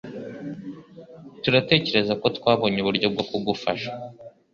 Turatekereza ko twabonye uburyo bwo kugufasha.